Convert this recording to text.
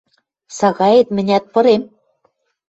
– Сагаэт мӹнят пырем?